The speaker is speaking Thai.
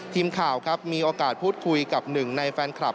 ทีมข่าวครับมีโอกาสพูดคุยกับหนึ่งในแฟนคลับ